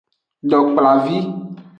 Dokplavi.